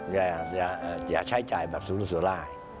อย่าใช้จ่ายแบบสูงสุดสวยร้าย